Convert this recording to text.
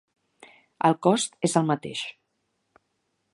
El cost és el mateix.